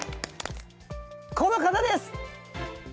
この方です。